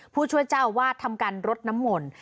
ผู้ช่วยเจ้าว่าทำการรดน้ำหม่น